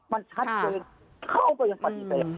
มันชัดเจนเขาก็ยังปฏิเสธ